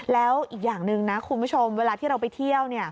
แล้วอีกอย่างหนึ่งนะคุณผู้ชมเวลาที่เราไปเที่ยว